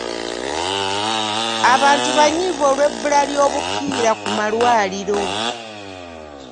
Abantu banyiivu olw'ebbula ly'obupiira ku malwaliro.